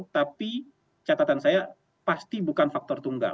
tapi catatan saya pasti bukan faktor tunggal